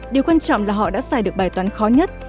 điều quan trọng là họ đã xài được bài toán khó nhất